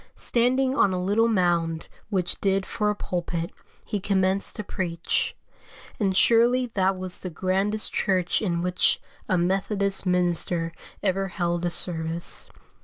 Standing on a little mound which did for a pulpit, he commenced to preach; and surely that was the grandest church in which a Methodist minister ever held a service.